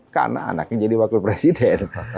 karena anaknya jadi wakil presiden